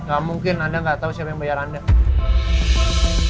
gak mungkin anda nggak tahu siapa yang bayar anda